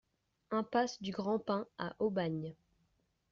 Impasse du Grand Pin à Aubagne